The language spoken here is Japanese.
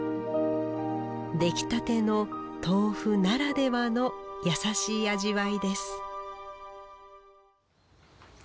出来たての豆腐ならではの優しい味わいです